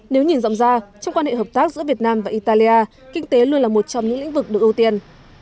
nếu nhìn rộng ra trong quan hệ hợp tác giữa việt nam và italia kinh tế luôn là một trong những lĩnh vực được ưu tiên